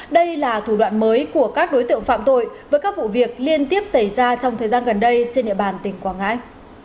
đây là thủ đoạn mới của các đối tượng phạm tội với các vụ việc liên tiếp xảy ra trong thời gian gần đây trên địa bàn tỉnh quảng ngãi